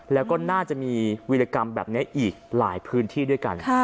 แล้วก็น่าจะมีวิรกรรมแบบนี้อีกหลายพื้นที่ด้วยกัน